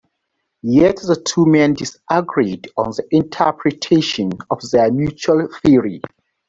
Yet the two men disagreed on the interpretation of their mutual theory.